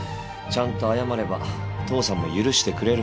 ちゃんと謝れば父さんも許してくれる。